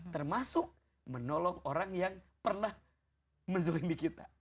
termasuk menolong orang yang pernah menzulimbi kita